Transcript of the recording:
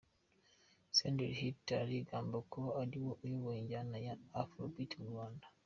Senderi Hit arigamba kuba ariwe uyoboye injyana ya Afrobeat mu Rwanda.